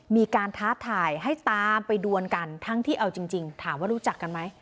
ท้าทายให้ตามไปดวนกันทั้งที่เอาจริงถามว่ารู้จักกันไหม